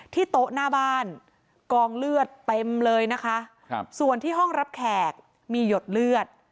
โต๊ะหน้าบ้านกองเลือดเต็มเลยนะคะครับส่วนที่ห้องรับแขกมีหยดเลือด